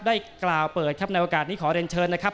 ได้กล่าวเปิดครับในโอกาสนี้ขอเรียนเชิญนะครับ